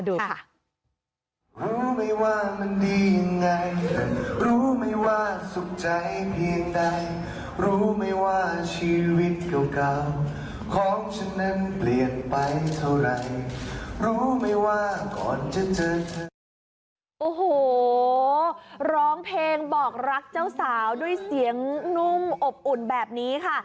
โอ้โหร้องเพลงบอกรักเจ้าสาวด้วยเสียงนุ่มอบอุ่นแบบนี้ค่ะ